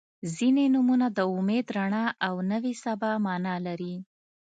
• ځینې نومونه د امید، رڼا او نوې سبا معنا لري.